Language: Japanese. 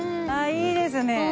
ああいいですね。